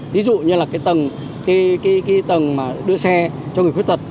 ví dụ như là cái tầng đưa xe cho người khuyết tật